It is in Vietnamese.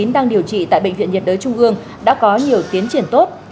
đang điều trị tại bệnh viện nhiệt đới trung ương đã có nhiều tiến triển tốt